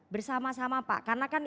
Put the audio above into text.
bersama sama pak karena kan